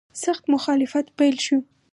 سخت مخالفت پیل شو.